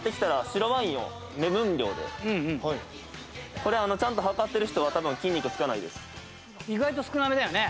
これちゃんと量ってる人は多分筋肉つかないです。